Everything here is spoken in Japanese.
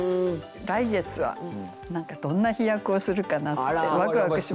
来月は何かどんな飛躍をするかなってワクワクしますね。